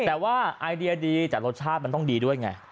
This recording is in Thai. แต่ว่าไอเดียดีแต่รสชาติมันต้องดีด้วยไง